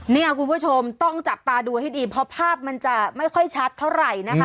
เนี่ยคุณผู้ชมต้องจับตาดูให้ดีเพราะภาพมันจะไม่ค่อยชัดเท่าไหร่นะคะ